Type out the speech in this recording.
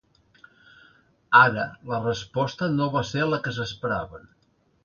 Ara, la resposta no va ser la que s’esperaven.